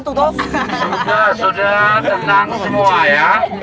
tenang semua ya